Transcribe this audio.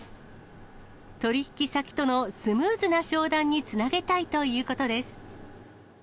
取り引き先とのスムーズな商談につなげたいということです。